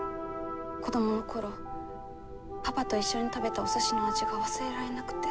子供の頃パパと一緒に食べたおすしの味が忘れられなくて。